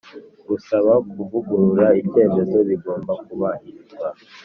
Gusaba kuvugurura icyemezo bigomba kubahirizwa